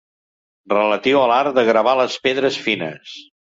Relatiu a l'art de gravar les pedres fines.